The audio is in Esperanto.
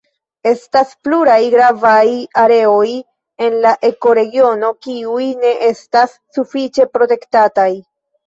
Estas pluraj gravaj areoj en la ekoregiono kiuj ne estas sufiĉe protektataj.